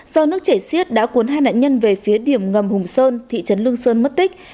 do nước chảy xiết đã cuốn hai nạn nhân về phía điểm ngầm hùng sơn thị trấn lương sơn mất tích